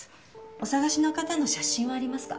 お捜しの方の写真はありますか？